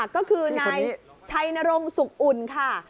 ก็คือนายชัยนรงสุขอุ่นค่ะ